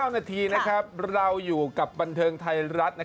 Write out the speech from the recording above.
๙นาทีเราอยู่กับบันเทิงไทยรัฐ